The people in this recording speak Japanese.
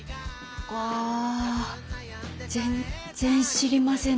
あ全然知りませんでした。